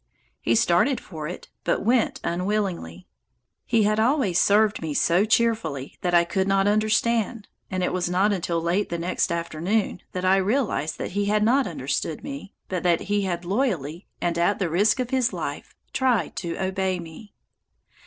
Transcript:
He started for it, but went unwillingly. He had always served me so cheerfully that I could not understand, and it was not until late the next afternoon that I realized that he had not understood me, but that he had loyally, and at the risk of his life, tried to obey me.